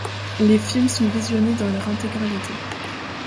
Les films sont visionnés dans leur intégralité.